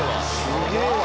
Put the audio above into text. ・すげぇわ。